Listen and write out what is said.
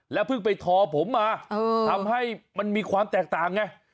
เพิ่งไปทอผมมาทำให้มันมีความแตกต่างไง